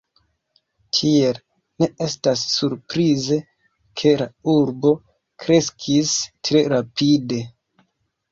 Tiel, ne estas surprize ke la urbo kreskis tre rapide.